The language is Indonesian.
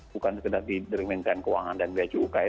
bukan sekedar di kementerian keuangan dan biaya cukai